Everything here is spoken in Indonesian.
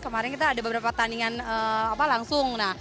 kemarin kita ada beberapa tandingan langsung